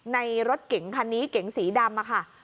ในรถเก๋งคันนี้เก๋งสีดำ